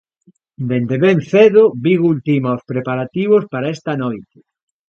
Dende ben cedo, Vigo ultima os preparativos para esta noite.